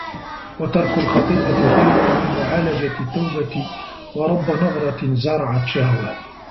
وَتَرْكُ الْخَطِيئَةِ خَيْرٌ مِنْ مُعَالَجَةِ التَّوْبَةِ وَرُبَّ نَظْرَةٍ زَرَعَتْ شَهْوَةً